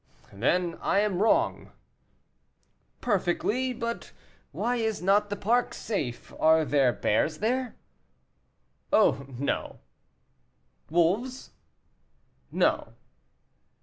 "Then I am wrong." "Perfectly; but why is not the park safe, are there bears here?" "Oh, no." "Wolves?" "No."